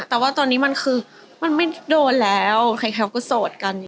แต่ว่าตอนนี้มันคือมันไม่โดนแล้วใครเขาก็โสดกัน